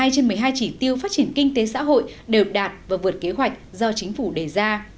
một mươi trên một mươi hai chỉ tiêu phát triển kinh tế xã hội đều đạt và vượt kế hoạch do chính phủ đề ra